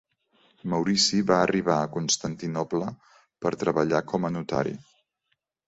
Maurici va arribar a Constantinoble per treballar com a notari.